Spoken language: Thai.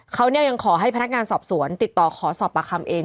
เขายังขอให้พนักงานสอบสวนติดต่อขอสอบประคำเอง